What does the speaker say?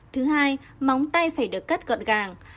thứ hai móng tay phải được cắt gọn gàng